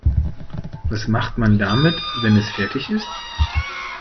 Was macht man damit, wenn es fertig ist?